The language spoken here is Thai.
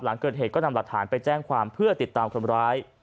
หลังเกิดเหตุก็นำหลักฐานไปแจ้งความเพื่อติดตามคนร้าย